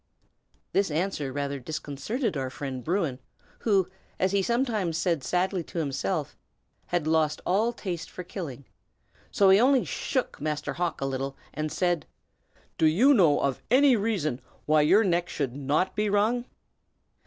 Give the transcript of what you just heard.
This answer rather disconcerted our friend Bruin, who, as he sometimes said sadly to himself, had "lost all taste for killing;" so he only shook Master Hawk a little, and said, "Do you know of any reason why your neck should not be wrung?"